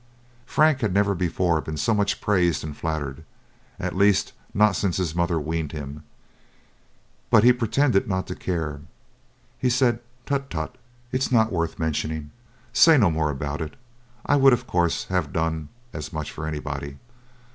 Frank had never before been so much praised and flattered, at least not since his mother weaned him; but he pretended not to care. He said: "Tut, tut, it's not worth mentioning. Say no more about it. I would of course have done as much for anybody."